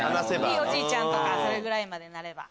ひいおじいちゃんとかそれぐらいまでなれば。